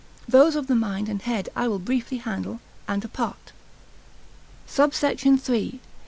Those of the mind and head I will briefly handle, and apart. SUBSECT. III.